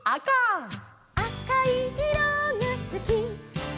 「あかいいろがすき」